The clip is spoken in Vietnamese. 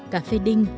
cà phê đinh